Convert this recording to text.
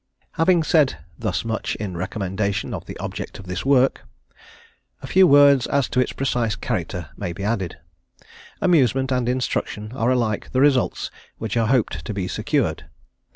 Having said thus much in recommendation of the object of this work, a few words as to its precise character may be added. Amusement and instruction are alike the results which are hoped to be secured.